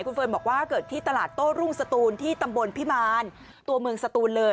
คุณเฟิร์นบอกว่าเกิดที่ตลาดโต้รุ่งสตูนที่ตำบลพิมารตัวเมืองสตูนเลย